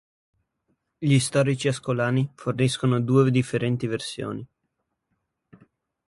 Gli storici ascolani forniscono due differenti versioni.